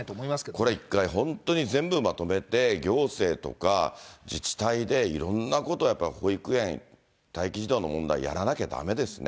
これ、一回、本当に全部まとめて、行政とか自治体でいろんなことをやっぱり保育園、待機児童の問題やらなきゃだめですね。